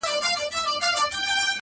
ته تر اوسه لا د فیل غوږ کي بیده یې,